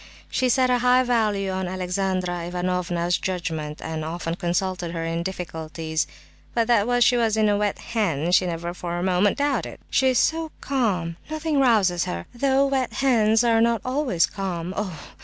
She set a high value on Alexandra Ivanovna's judgment, and often consulted her in difficulties; but that she was a 'wet hen' she never for a moment doubted. "She is so calm; nothing rouses her—though wet hens are not always calm! Oh!